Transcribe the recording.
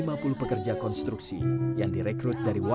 mengaktifkan dan menjatuhkan penduduk umum dalam itja